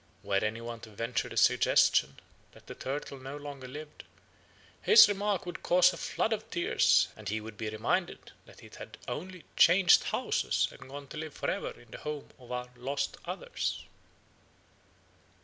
Were any one to venture the suggestion that the turtle no longer lived, his remark would cause a flood of tears, and he would be reminded that it had only 'changed houses and gone to live for ever in the home of "our lost others."'"